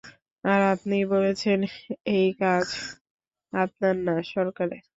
আর আপনিই বলছেন এই কাজ আপনার না সরকারের।